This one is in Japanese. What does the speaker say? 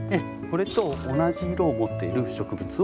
これと同じ色を持っている植物を組み合わせて。